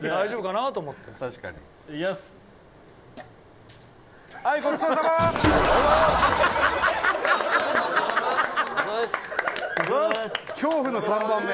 長嶋：恐怖の３番目。